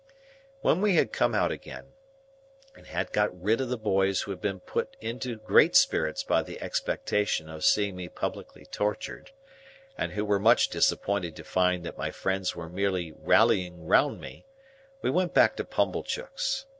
When we had come out again, and had got rid of the boys who had been put into great spirits by the expectation of seeing me publicly tortured, and who were much disappointed to find that my friends were merely rallying round me, we went back to Pumblechook's.